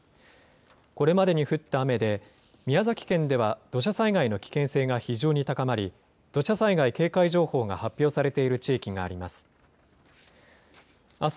これまでに降った雨で、宮崎県では土砂災害の危険性が非常に高まり、土砂災害警戒情報が発表されている地域があります。